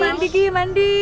mandi mandi mandi